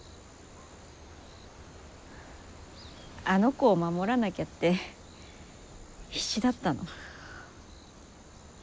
あの子を守らなきゃって必死だったの。